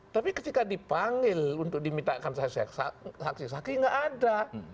tapi ketika dipanggil untuk dimintakan saksi saksi nggak ada